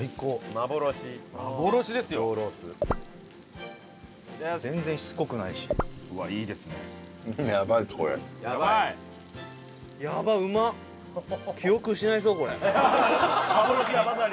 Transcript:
幻だまさに。